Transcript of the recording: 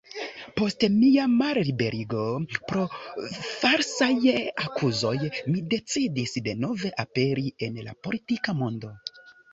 Post mia malliberigo pro falsaj akuzoj mi decidis denove aperi en la politika mondo".